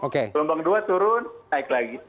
gelombang dua turun naik lagi